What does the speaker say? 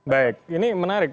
baik ini menarik